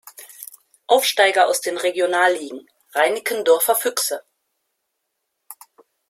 Aufsteiger aus den Regionalligen: Reinickendorfer Füchse.